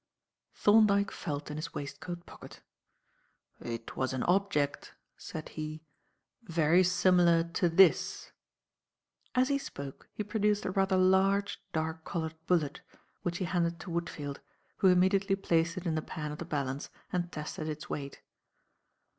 Thorndyke felt in his waistcoat pocket. "It was an object," said he, "very similar to this." As he spoke, he produced a rather large, dark coloured bullet, which he handed to Woodfield, who immediately placed it in the pan of the balance and tested its weight.